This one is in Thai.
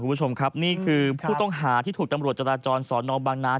คุณผู้ชมครับนี่คือผู้ต้องหาที่ถูกตำรวจจราจรสอนอบางนาน